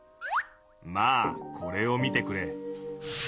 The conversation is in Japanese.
まあこれを見てくれ。